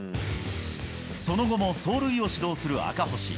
その後も走塁を指導する赤星。